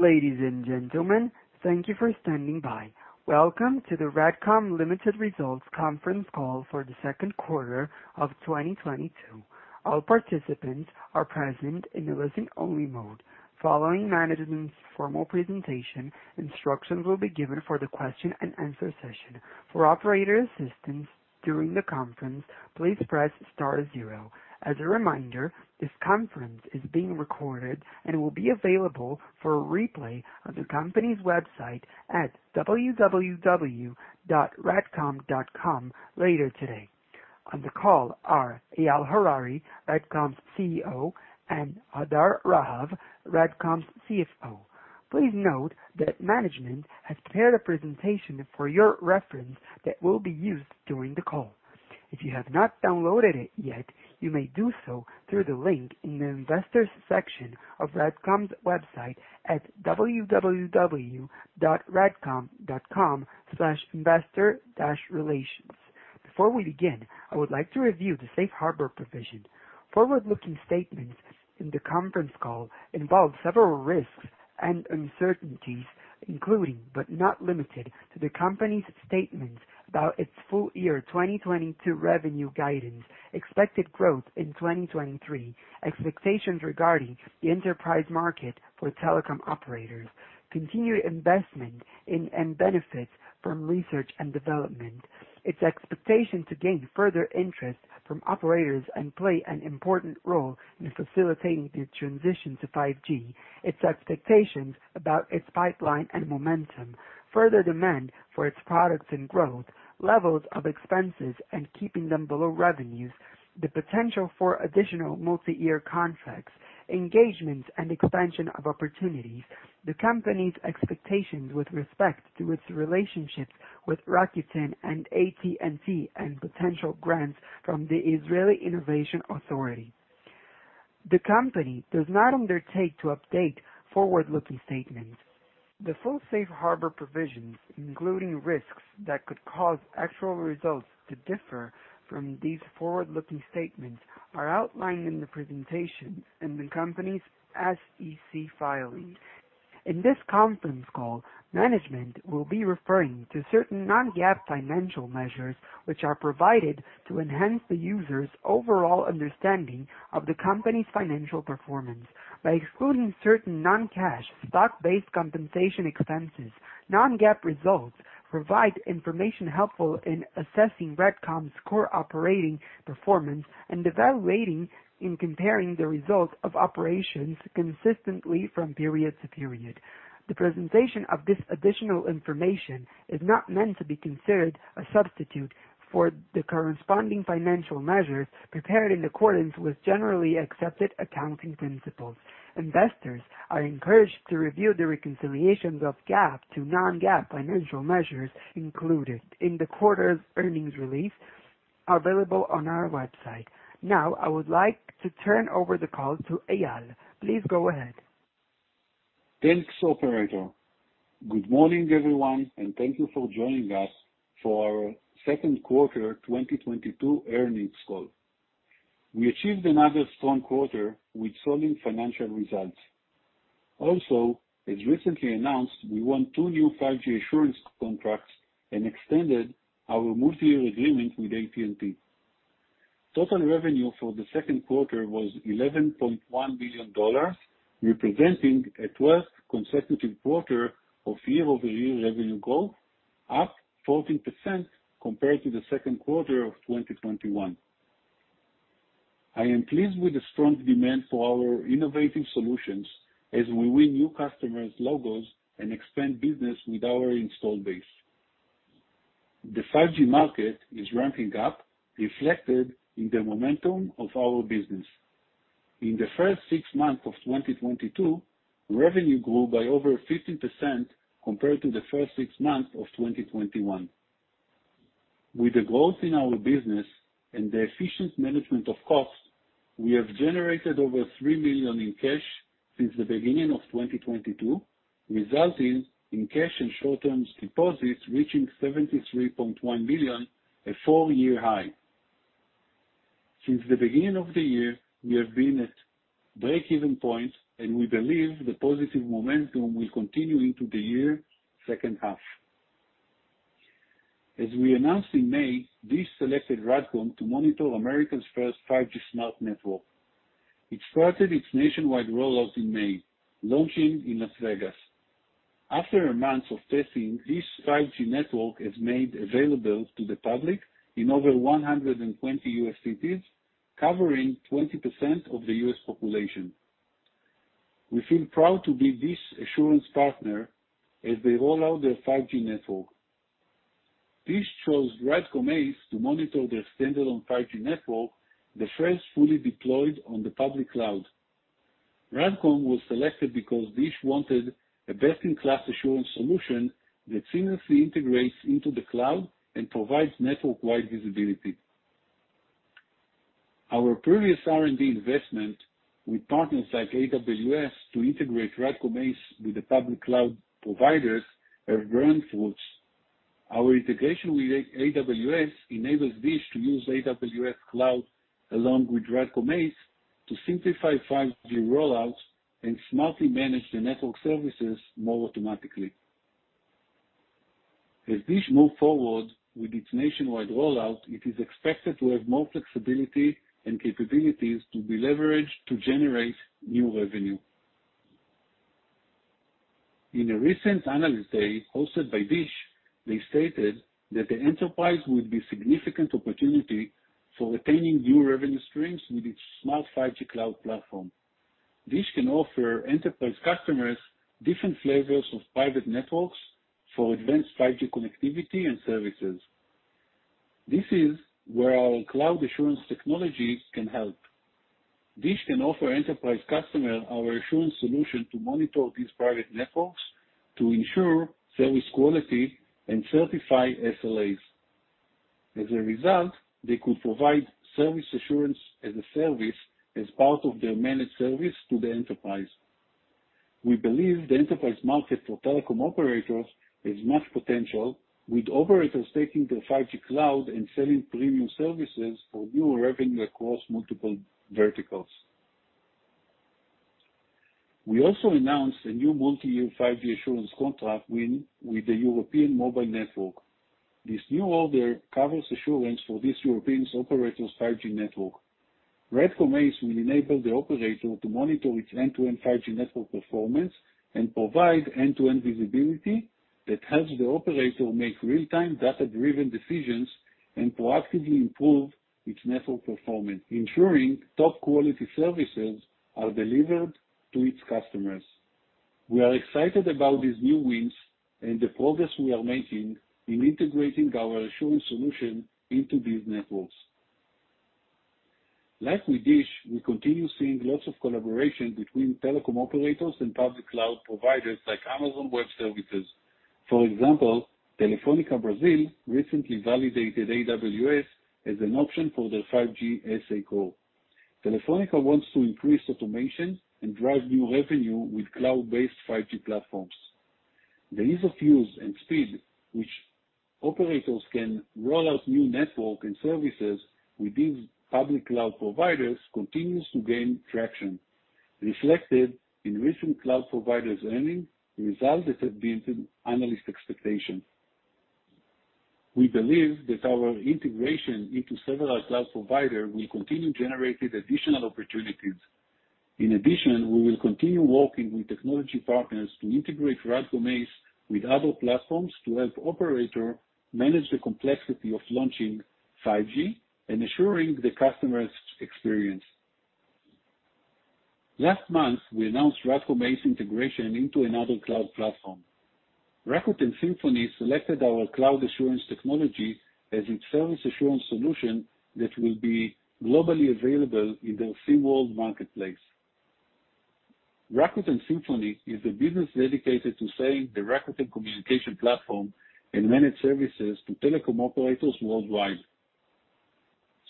Ladies and gentlemen, thank you for standing by. Welcome to the RADCOM Ltd. Results Conference Call for Q2 of 2022. All participants are present in a listen-only mode. Following management's formal presentation, instructions will be given for the question-and-answer session. For operator assistance during the conference, please press star zero. As a reminder, this conference is being recorded and will be available for replay on the company's website at www.radcom.com later today. On the call are Eyal Harari, RADCOM's CEO, and Hadar Rahav, RADCOM's CFO. Please note that management has prepared a presentation for your reference that will be used during the call. If you have not downloaded it yet, you may do so through the link in the investor's section of RADCOM's website at www.radcom.com/investor-relations. Before we begin, I would like to review the Safe Harbor provision. Forward-looking statements in the conference call involve several risks and uncertainties, including, but not limited to the company's statements about its full year 2022 revenue guidance, expected growth in 2023, expectations regarding the enterprise market for telecom operators, continued investment in and benefits from research and development, its expectation to gain further interest from operators and play an important role in facilitating the transition to 5G. Its expectations about its pipeline and momentum, further demand for its products and growth, levels of expenses and keeping them below revenues, the potential for additional multi-year contracts, engagements and expansion of opportunities, the company's expectations with respect to its relationships with Rakuten and AT&T, and potential grants from the Israel Innovation Authority. The company does not undertake to update forward-looking statements. The full Safe Harbor provisions, including risks that could cause actual results to differ from these forward-looking statements, are outlined in the presentation in the company's SEC filing. In this conference call, management will be referring to certain non-GAAP financial measures, which are provided to enhance the user's overall understanding of the company's financial performance. By excluding certain non-cash stock-based compensation expenses, non-GAAP results provide information helpful in assessing RADCOM's core operating performance and evaluating and comparing the results of operations consistently from period to period. The presentation of this additional information is not meant to be considered a substitute for the corresponding financial measures prepared in accordance with generally accepted accounting principles. Investors are encouraged to review the reconciliations of GAAP to non-GAAP financial measures included in the quarter's earnings release available on our website. Now, I would like to turn over the call to Eyal. Please go ahead. Thanks, operator. Good morning, everyone, and thank you for joining us for our Q2 2022 earnings call. We achieved another strong quarter with solid financial results. Also, as recently announced, we won 2 new 5G assurance contracts and extended our multi-year agreement with AT&T. Total revenue for Q2 was $11.1 million, representing a 12th consecutive quarter of year-over-year revenue growth, up 14% compared to Q2 of 2021. I am pleased with the strong demand for our innovative solutions as we win new customer logos and expand business with our installed base. The 5G market is ramping up, reflected in the momentum of our business. In the first 6 months of 2022, revenue grew by over 15% compared to the first 6 months of 2021. With the growth in our business and the efficient management of costs, we have generated over $3 million in cash since the beginning of 2022, resulting in cash and short-term deposits reaching $73.1 million, a four-year high. Since the beginning of the year, we have been at breakeven point, and we believe the positive momentum will continue into the year's second half. As we announced in May, DISH selected RADCOM to monitor America's first 5G smart network. It started its nationwide rollout in May, launching in Las Vegas. After months of testing, DISH's 5G network is made available to the public in over 120 U.S. cities, covering 20% of the U.S. population. We feel proud to be DISH's assurance partner as they roll out their 5G network. DISH chose RADCOM ACE to monitor their standalone 5G network, the first fully deployed on the public cloud. RADCOM was selected because DISH wanted a best-in-class assurance solution that seamlessly integrates into the cloud and provides network-wide visibility. Our previous R&D investment with partners like AWS to integrate RADCOM ACE with the public cloud providers have borne fruit. Our integration with AWS enables DISH to use AWS cloud along with RADCOM ACE to simplify 5G rollouts and smartly manage the network services more automatically. As DISH move forward with its nationwide rollout, it is expected to have more flexibility and capabilities to be leveraged to generate new revenue. In a recent analyst day hosted by DISH, they stated that the enterprise would be significant opportunity for attaining new revenue streams with its smart 5G cloud platform. DISH can offer enterprise customers different flavors of private networks for advanced 5G connectivity and services. This is where our cloud assurance technology can help. DISH can offer enterprise customers our assurance solution to monitor these private networks, to ensure service quality and certify SLAs. As a result, they could provide service assurance as a service as part of their managed service to the enterprise. We believe the enterprise market for telecom operators has much potential, with operators taking their 5G cloud and selling premium services for new revenue across multiple verticals. We also announced a new multi-year 5G assurance contract win with the European Mobile Network. This new order covers assurance for this European operator's 5G network. RADCOM ACE will enable the operator to monitor its end-to-end 5G network performance and provide end-to-end visibility that helps the operator make real-time data-driven decisions and proactively improve its network performance, ensuring top quality services are delivered to its customers. We are excited about these new wins and the progress we are making in integrating our assurance solution into these networks. Like with DISH, we continue seeing lots of collaboration between telecom operators and public cloud providers like Amazon Web Services. For example, Telefónica Brasil recently validated AWS as an option for their 5G SA Core. Telefónica wants to increase automation and drive new revenue with cloud-based 5G platforms. The ease of use and speed which operators can roll out new network and services with these public cloud providers continues to gain traction, reflected in recent cloud providers' earnings results that have beaten analyst expectations. We believe that our integration into several cloud providers will continue generating additional opportunities. In addition, we will continue working with technology partners to integrate RADCOM ACE with other platforms to help operators manage the complexity of launching 5G and assuring the customers' experience. Last month, we announced RADCOM ACE integration into another cloud platform. Rakuten Symphony selected our cloud assurance technology as its service assurance solution that will be globally available in their Symworld marketplace. Rakuten Symphony is a business dedicated to selling the Rakuten communication platform and managed services to telecom operators worldwide.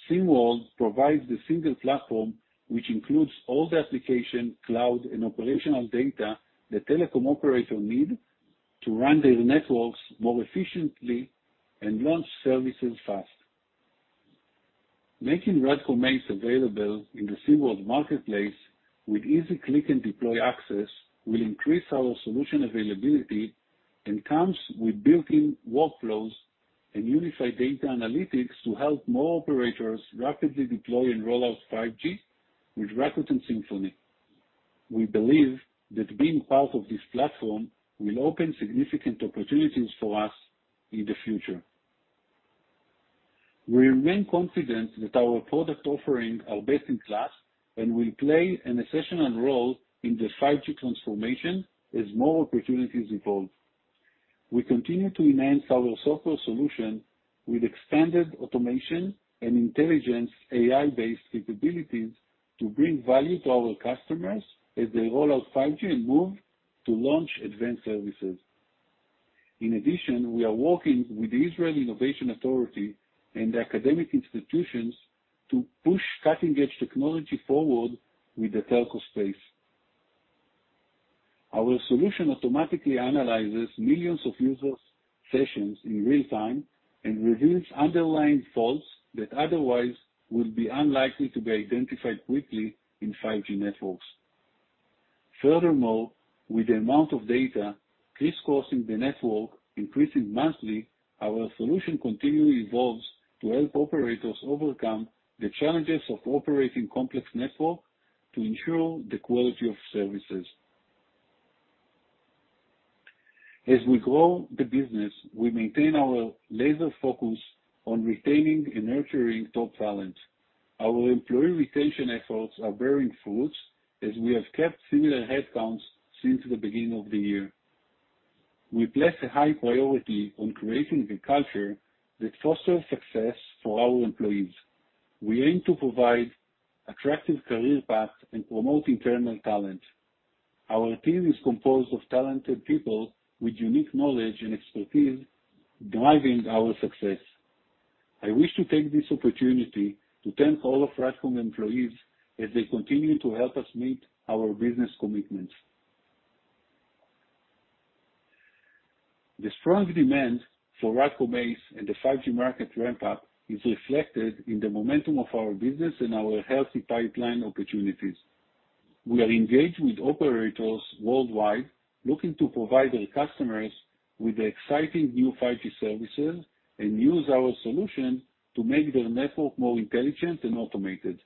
Symworld provides the single platform, which includes all the application, cloud, and operational data the telecom operators need to run their networks more efficiently and launch services fast. Making RADCOM ACE available in the Symworld marketplace with easy click and deploy access will increase our solution availability and comes with built-in workflows and unified data analytics to help more operators rapidly deploy and roll out 5G with Rakuten Symphony. We believe that being part of this platform will open significant opportunities for us in the future. We remain confident that our product offering are best in class and will play an essential role in the 5G transformation as more opportunities evolve. We continue to enhance our software solution with expanded automation and intelligent AI-based capabilities to bring value to our customers as they roll out 5G and move to launch advanced services. In addition, we are working with the Israel Innovation Authority and academic institutions to push cutting-edge technology forward with the telco space. Our solution automatically analyzes millions of user sessions in real time and reveals underlying faults that otherwise would be unlikely to be identified quickly in 5G networks. Furthermore, with the amount of data crisscrossing the network increasing monthly, our solution continually evolves to help operators overcome the challenges of operating complex networks to ensure the quality of services. As we grow the business, we maintain our laser focus on retaining and nurturing top talent. Our employee retention efforts are bearing fruit as we have kept similar headcounts since the beginning of the year. We place a high priority on creating a culture that fosters success for our employees. We aim to provide attractive career paths and promote internal talent. Our team is composed of talented people with unique knowledge and expertise driving our success. I wish to take this opportunity to thank all of RADCOM employees as they continue to help us meet our business commitments. The strong demand for RADCOM ACE in the 5G market ramp up is reflected in the momentum of our business and our healthy pipeline opportunities. We are engaged with operators worldwide, looking to provide their customers with exciting new 5G services and use our solution to make their network more intelligent and automated.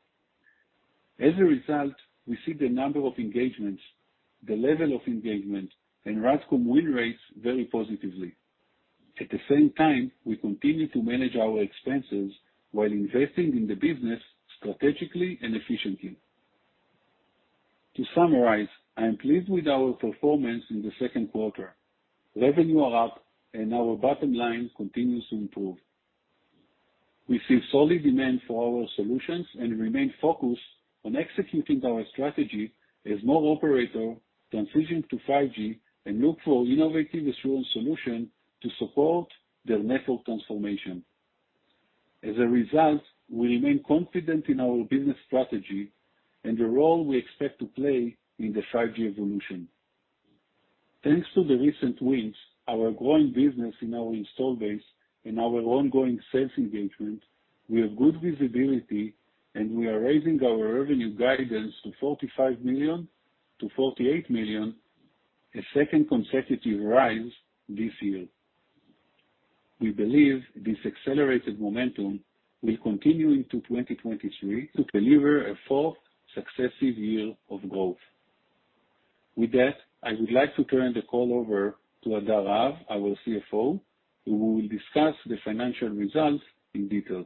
As a result, we see the number of engagements, the level of engagement and RADCOM win rates very positively. At the same time, we continue to manage our expenses while investing in the business strategically and efficiently. To summarize, I am pleased with our performance in Q2. Revenue are up and our bottom line continues to improve. We see solid demand for our solutions and remain focused on executing our strategy as more operators transition to 5G and look for innovative assurance solutions to support their network transformation. As a result, we remain confident in our business strategy and the role we expect to play in the 5G evolution. Thanks to the recent wins, our growing business in our installed base and our ongoing sales engagement, we have good visibility and we are raising our revenue guidance to $45 to 48 million, a second consecutive rise this year. We believe this accelerated momentum will continue into 2023 to deliver a fourth successive year of growth. With that, I would like to turn the call over to Hadar Rahav, our CFO, who will discuss the financial results in detail.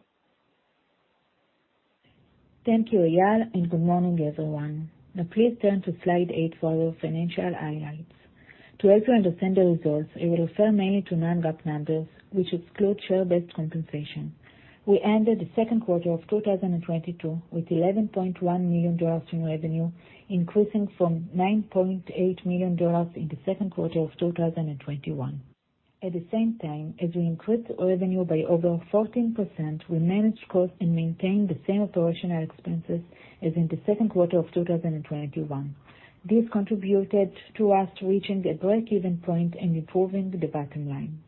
Thank you, Eyal, and good morning, everyone. Now please turn to slide 8 for your financial highlights. To help you understand the results, I will refer mainly to non-GAAP numbers, which exclude share-based compensation. We ended Q2 of 2022 with $11.1 million in revenue, increasing from $9.8 million in Q2 of 2021. At the same time, as we increased revenue by over 14%, we managed costs and maintained the same operational expenses as in Q2 of 2021. This contributed to us reaching a break-even point and improving the bottom line.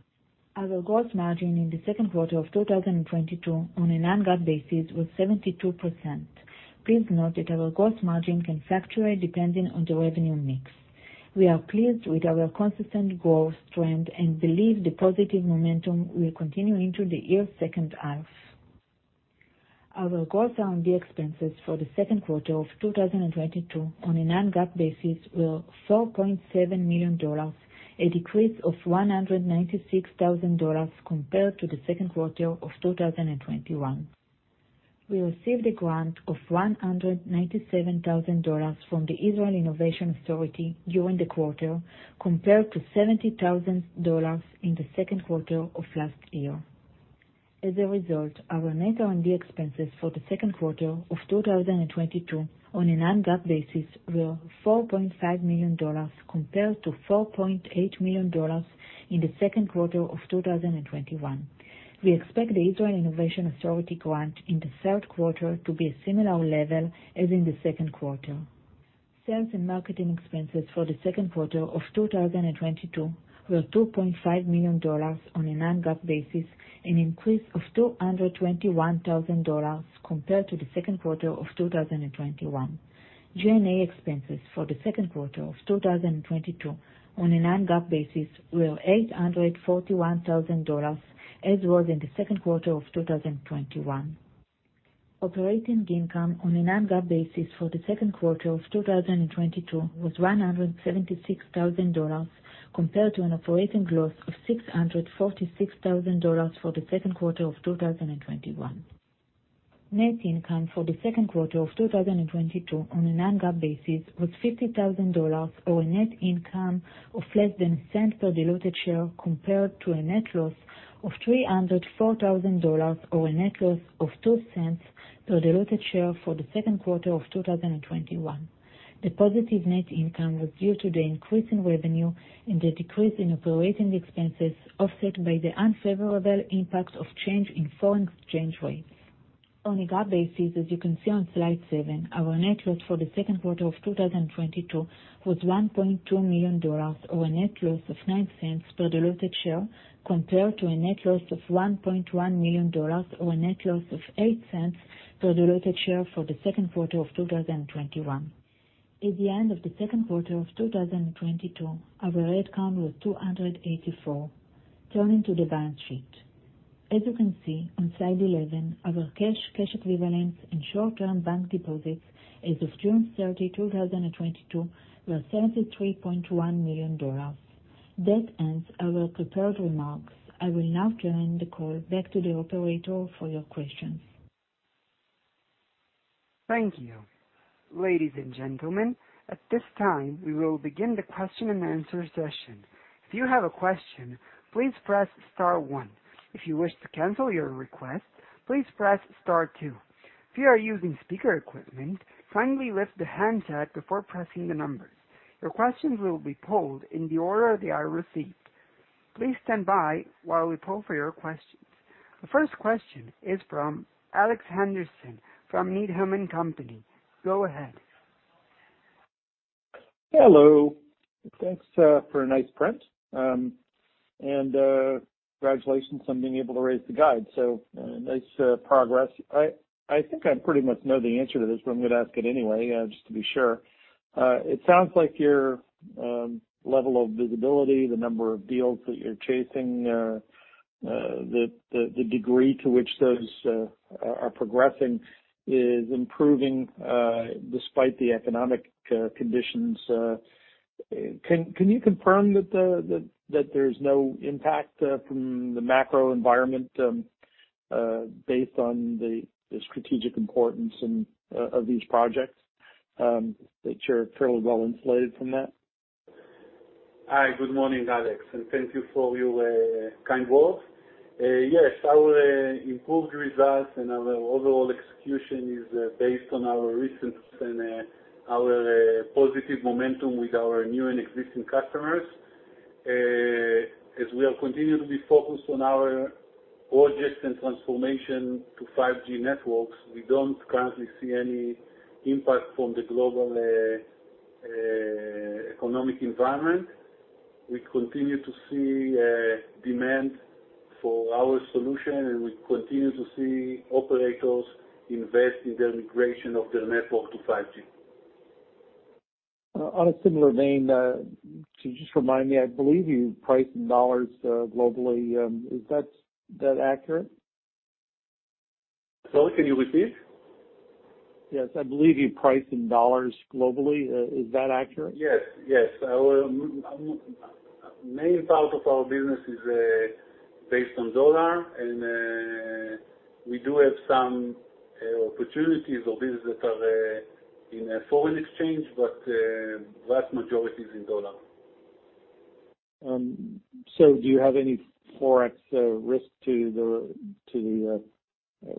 Our gross margin in Q2 of 2022 on a non-GAAP basis was 72%. Please note that our gross margin can fluctuate depending on the revenue mix. We are pleased with our consistent growth trend and believe the positive momentum will continue into the year's second half. Our gross R&D expenses for Q2 of 2022 on a non-GAAP basis were $4.7 million, a decrease of $196,000 compared to Q2 of 2021. We received a grant of $197,000 from the Israel Innovation Authority during the quarter, compared to $70,000 in Q2 of last year. As a result, our net R&D expenses for Q2 of 2022 on a non-GAAP basis were $4.5 million compared to $4.8 million in Q2 of 2021. We expect the Israel Innovation Authority grant in the Q3 to be a similar level as in Q2. Sales and marketing expenses for Q2 of 2022 were $2.5 million on a non-GAAP basis, an increase of $221 thousand compared to Q2 of 2021. G&A expenses for Q2 of 2022 on a non-GAAP basis were $841 thousand, as was in Q2 of 2021. Operating income on a non-GAAP basis for Q2 of 2022 was $176 thousand compared to an operating loss of $646 thousand for Q2 of 2021. Net income for Q2 of 2022 on a non-GAAP basis was $50,000 or a net income of less than $0.1 Per diluted share, compared to a net loss of $304,000 or a net loss of $0.2 cents per diluted share for Q2 of 2021. The positive net income was due to the increase in revenue and the decrease in operating expenses, offset by the unfavorable impact of change in foreign exchange rates. On a GAAP basis, as you can see on slide seven, our net loss for Q2 of 2022 was $1.2 million or a net loss of $0.09 per diluted share, compared to a net loss of $1.1 million or a net loss of $0.08 per diluted share for Q2 of 2021. At the end of Q2 of 2022, our head count was 284. Turning to the balance sheet. As you can see on slide 11, our cash equivalents and short-term bank deposits as of June 30, 2022, were $33.1 million. That ends our prepared remarks. I will now turn the call back to the operator for your questions. Thank you. Ladies and gentlemen, at this time we will begin the question-and-answer session. If you have a question, please press star one. If you wish to cancel your request, please press star two. If you are using speaker equipment, kindly lift the handset before pressing the numbers. Your questions will be polled in the order they are received. Please stand by while we poll for your questions. The first question is from Alex Henderson from Needham & Company. Go ahead. Hello. Thanks for a nice print. Congratulations on being able to raise the guide. Nice progress. I think I pretty much know the answer to this, but I'm gonna ask it anyway, just to be sure. It sounds like your level of visibility, the number of deals that you're chasing, the degree to which those are progressing is improving, despite the economic conditions. Can you confirm that there's no impact from the macro environment, based on the strategic importance of these projects, that you're fairly well insulated from that? Hi. Good morning, Alex, and thank you for your kind words. Yes, our improved results and our overall execution is based on our recent and positive momentum with our new and existing customers. As we are continuing to be focused on our projects and transformation to 5G networks, we don't currently see any impact from the global economic environment. We continue to see demand for our solution, and we continue to see operators invest in the integration of their network to 5G. On a similar vein, can you just remind me? I believe you price in US dollars globally. Is that accurate? Sorry, can you repeat? Yes. I believe you price in dollars globally. Is that accurate? Yes. Main part of our business is based on dollar, and we do have some opportunities or business that are in a foreign exchange, but vast majority is in dollar. Do you have any forex risk to the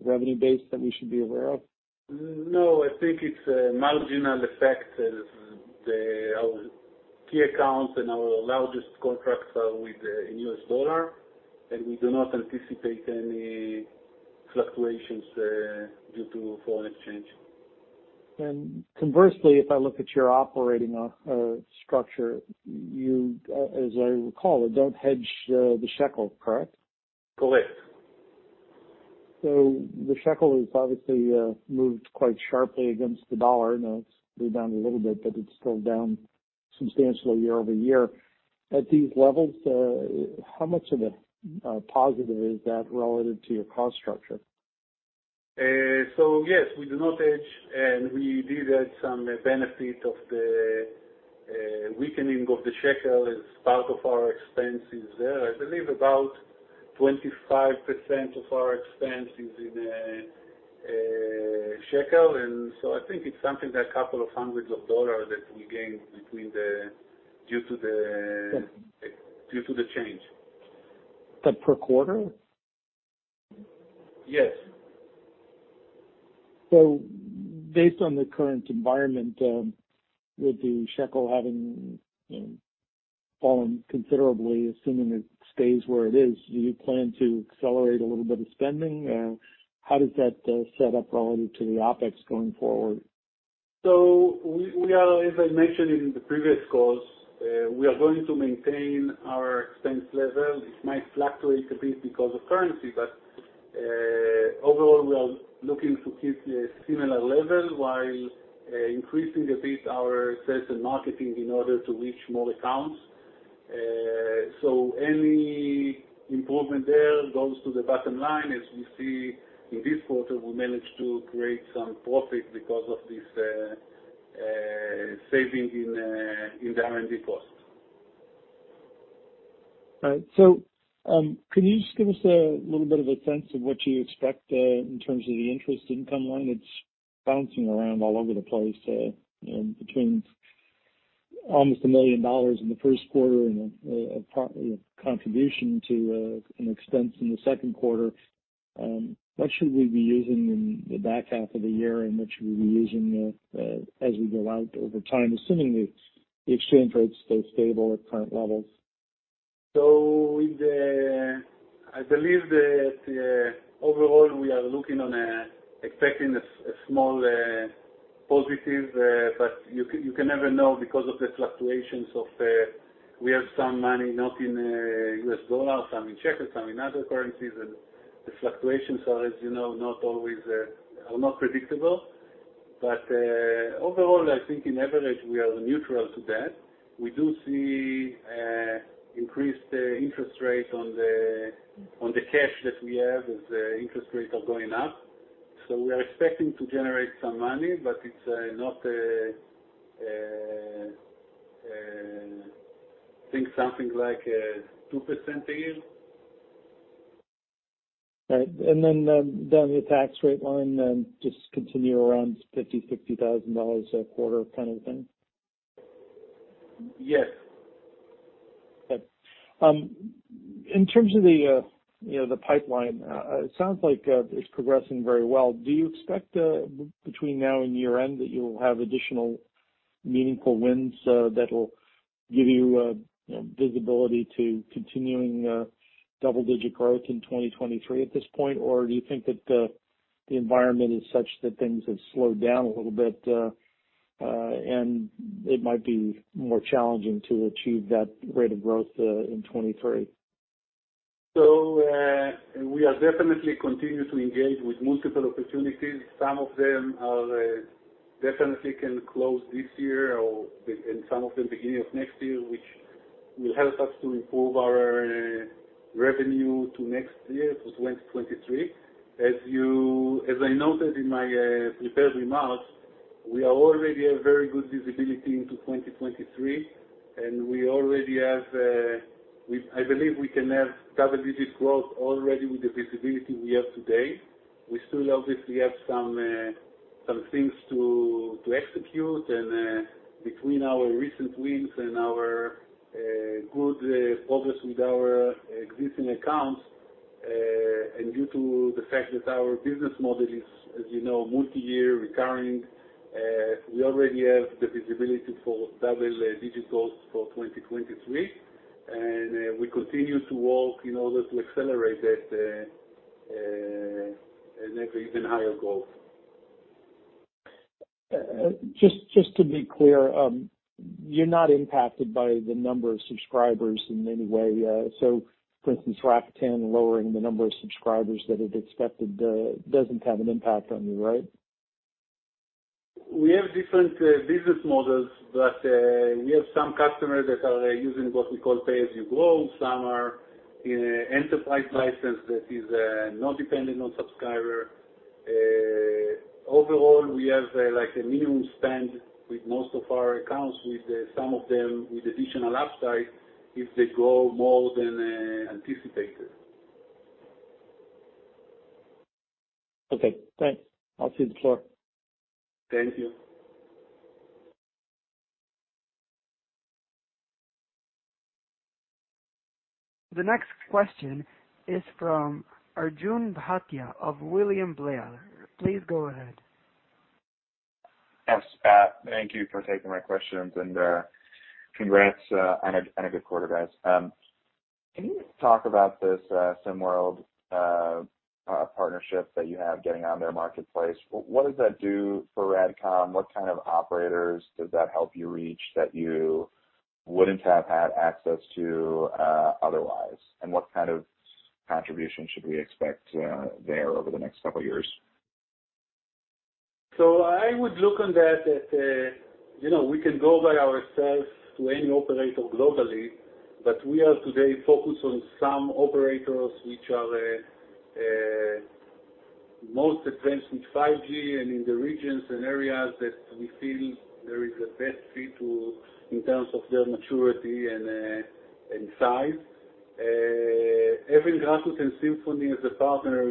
revenue base that we should be aware of? No, I think it's a marginal effect as our key accounts and our largest contracts are in U.S. dollar, and we do not anticipate any fluctuations due to foreign exchange. Conversely, if I look at your operating structure, you, as I recall, don't hedge the shekel, correct? Correct. The shekel has obviously moved quite sharply against the dollar. Now it's moved down a little bit, but it's still down substantially year-over-year. At these levels, how much of a positive is that relative to your cost structure? Yes, we do not hedge, and we did add some benefit of the weakening of the shekel as part of our expenses there. I believe about 25% of our expense is in shekel, and I think it's something like a couple of hundreds of dollars that we gained due to the. Sure. Due to the change. The per quarter? Yes. Based on the current environment, with the shekel having, you know, fallen considerably, assuming it stays where it is, do you plan to accelerate a little bit of spending? How does that set up relative to the OpEx going forward? We are, as I mentioned in the previous calls, we are going to maintain our expense level. It might fluctuate a bit because of currency, but overall, we are looking to keep a similar level while increasing a bit our sales and marketing in order to reach more accounts. Any improvement there goes to the bottom line. As we see in this quarter, we managed to create some profit because of this saving in the R&D cost. Right. Can you just give us a little bit of a sense of what you expect in terms of the interest income line? It's bouncing around all over the place, you know, between almost $1 million in the Q1 and a part, you know, contribution to an expense in Q2. What should we be using in the back half of the year, and what should we be using as we go out over time, assuming the exchange rates stay stable at current levels? I believe overall we are expecting a small positive, but you can never know because of the fluctuations. We have some money not in U.S. dollar, some in shekel, some in other currencies, and the fluctuations are, as you know, not always predictable. Overall, I think on average we are neutral to that. We do see increased interest rate on the cash that we have as the interest rates are going up. We are expecting to generate some money, but I think it's something like 2% a year. Right. Down the tax rate line, just continue around $50,000 to 60,000 a quarter kind of thing? Yes. Okay. In terms of the, you know, the pipeline, it sounds like it's progressing very well. Do you expect between now and year-end that you'll have additional meaningful wins that will give you know, visibility to continuing double-digit growth in 2023 at this point? Or do you think that the environment is such that things have slowed down a little bit and it might be more challenging to achieve that rate of growth in 2023? We are definitely continue to engage with multiple opportunities. Some of them are definitely can close this year and some of them beginning of next year, which will help us to improve our revenue to next year, to 2023. As I noted in my prepared remarks, we already have very good visibility into 2023, and we already have, I believe we can have double digits growth already with the visibility we have today. We still obviously have some things to execute. Between our recent wins and our good progress with our existing accounts, and due to the fact that our business model is, as you know, multi-year recurring, we already have the visibility for double digits growth for 2023. We continue to work in order to accelerate that, maybe even higher growth. Just to be clear, you're not impacted by the number of subscribers in any way. For instance, Rakuten lowering the number of subscribers that it expected doesn't have an impact on you, right? We have different business models, but we have some customers that are using what we call pay-as-you-grow. Some are in enterprise license that is not dependent on subscriber. Overall, we have like a minimum spend with most of our accounts with some of them with additional upside if they grow more than anticipated. Okay, thanks. I'll cede the floor. Thank you. The next question is from Arjun Bhatia of William Blair. Please go ahead. Yes. Thank you for taking my questions. Congrats on a good quarter, guys. Can you talk about this Symworld partnership that you have getting on their marketplace? What does that do for RADCOM? What kind of operators does that help you reach that you wouldn't have had access to otherwise? What kind of contribution should we expect there over the next couple years? I would look at that, you know, we can go by ourselves to any operator globally, but we are today focused on some operators which are most advanced in 5G and in the regions and areas that we feel there is the best fit, too, in terms of their maturity and size. Having Rakuten Symphony as a partner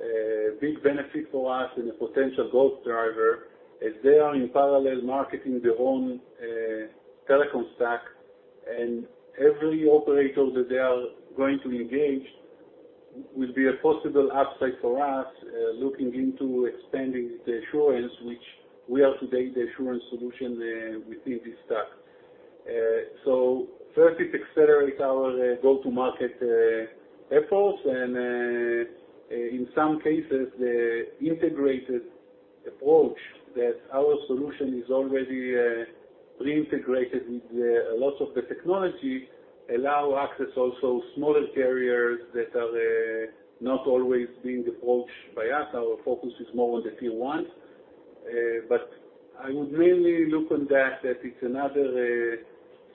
is a big benefit for us and a potential growth driver as they are in parallel marketing their own telecom stack. Every operator that they are going to engage will be a possible upside for us, looking into expanding the Assurance, which we are today the Assurance solution, within this stack. First it accelerates our go-to-market efforts, and in some cases, the integrated approach that our solution is already pre-integrated with lots of the technology allow access also smaller carriers that are not always being approached by us. Our focus is more on the tier ones. I would mainly look on that it's another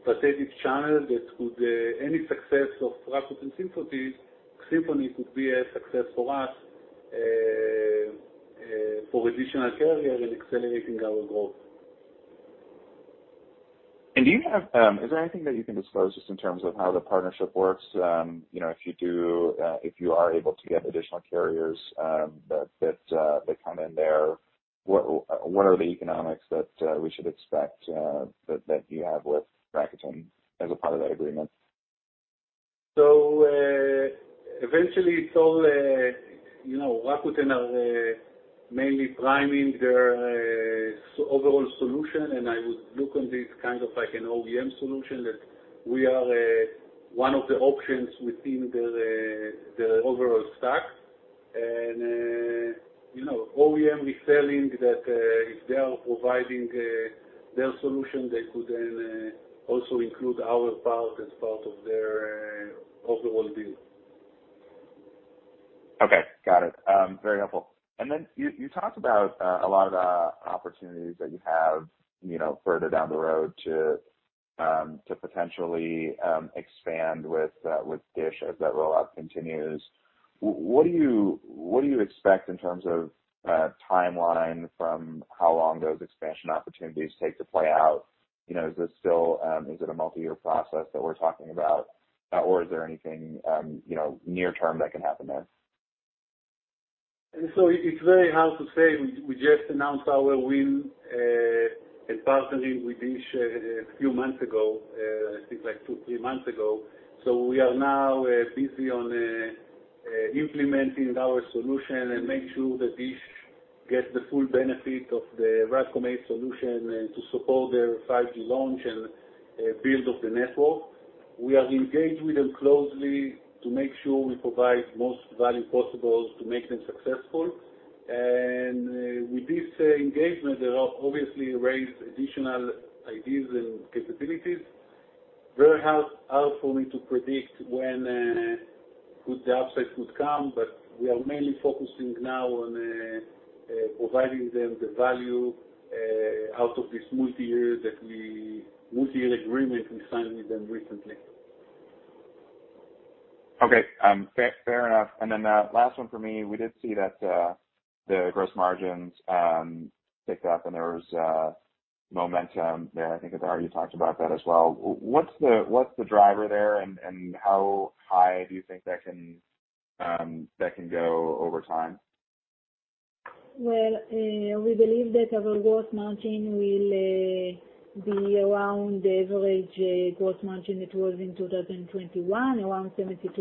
strategic channel that could any success of Rakuten Symphony could be a success for us for additional carriers in accelerating our growth. Do you have? Is there anything that you can disclose just in terms of how the partnership works? You know, if you do, if you are able to get additional carriers, that come in there, what are the economics that we should expect, that you have with Rakuten as a part of that agreement? Eventually, it's all, you know, Rakuten are mainly priming their overall solution, and I would look on this kind of like an OEM solution that we are one of the options within their overall stack. You know, OEM reselling that, if they are providing their solution, they could then also include our part as part of their overall deal. Okay. Got it. Very helpful. Then you talked about a lot of the opportunities that you have, you know, further down the road to potentially expand with DISH as that rollout continues. What do you expect in terms of timeline from how long those expansion opportunities take to play out? You know, is this still is it a multi-year process that we're talking about? Or is there anything, you know, near-term that can happen there? It's very hard to say. We just announced our win in partnering with DISH a few months ago. I think like two, three months ago. We are now busy implementing our solution and make sure that DISH gets the full benefit of the RADCOM ACE solution and to support their 5G launch and build of the network. We are engaged with them closely to make sure we provide most value possible to make them successful. With this engagement, there are obviously raised additional ideas and capabilities. Very hard for me to predict when the upside could come, but we are mainly focusing now on providing them the value out of this multi-year agreement we signed with them recently. Okay. Fair enough. Last one for me. We did see that, the gross margins, ticked up and there was, momentum there. I think I've already talked about that as well. What's the driver there and how high do you think that can go over time? Well, we believe that our gross margin will be around the average gross margin it was in 2021, around 72%.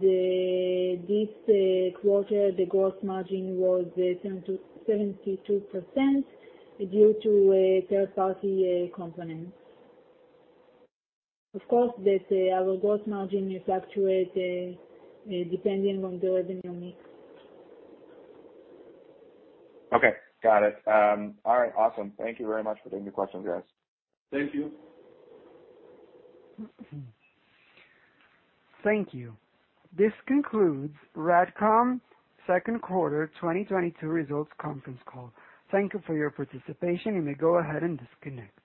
This quarter, the gross margin was 72% due to a third-party component. Of course, our gross margin will fluctuate depending on the revenue mix. Okay. Got it. All right. Awesome. Thank you very much for taking the questions, guys. Thank you. Thank you. This concludes RADCOM Q2 2022 Results Conference Call. Thank you for your participation. You may go ahead and disconnect.